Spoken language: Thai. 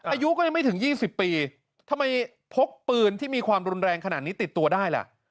อายุก็ยังไม่ถึง๒๐ปีทำไมพกปืนที่มีความรุนแรงขนาดนี้ติดตัวได้ล่ะ